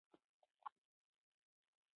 سلطان صلاح الدین ایوبي د اسلامي امت یو اتل وو.